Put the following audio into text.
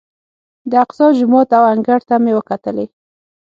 د اقصی جومات او انګړ ته مې وکتلې.